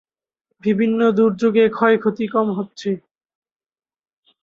বিভিন্ন দূর্যোগে ক্ষয়ক্ষতি কম হচ্ছে।